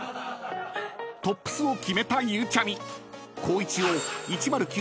［トップスを決めたゆうちゃみ光一を］